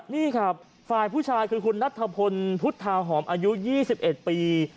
นี่ครับฝ่ายผู้ชายคือคุณนัทธพลพุทธาหอมอายุ๒๑ปี